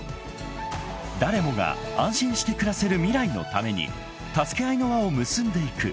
［誰もが安心して暮らせる未来のために「たすけあい」の輪を結んでいく］